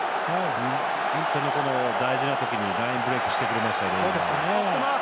本当に大事なところにラインブレークしてくれましたから。